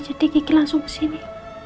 jadi kiki langsung kesini